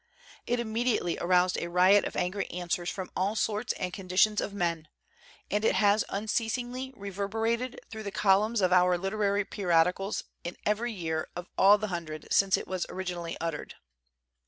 It im mediately aroused a riot of angry answers from all sorts and conditions of men; and it has un ceasingly reverberated through the columns of our literary periodicals in every year of all the hundred since it was originally uttered.